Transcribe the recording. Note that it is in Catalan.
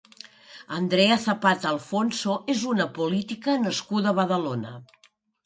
Andrea Zapata Alfonso és una política nascuda a Badalona.